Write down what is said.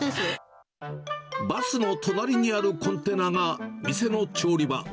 バスの隣にあるコンテナが店の調理場。